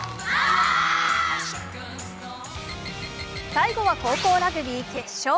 最後は高校ラグビー決勝。